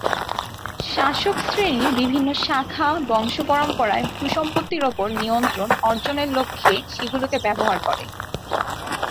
শাসকশ্রেণীর বিভিন্ন শাখা বংশপরম্পরায় ভূসম্পত্তির ওপর নিয়ন্ত্রণ অর্জনের লক্ষ্যে সেগুলোকে ব্যবহার করে।